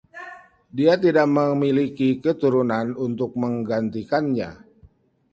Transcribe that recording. Dia tidak memiliki keturunan untuk menggantikannya.